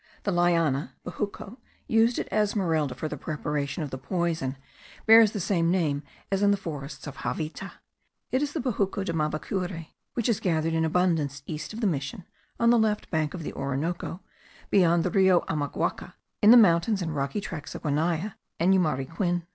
The liana (bejuco) used at Esmeralda for the preparation of the poison, bears the same name as in the forests of Javita. It is the bejuco de Mavacure, which is gathered in abundance east of the mission, on the left bank of the Orinoco, beyond the Rio Amaguaca, in the mountainous and rocky tracts of Guanaya and Yumariquin.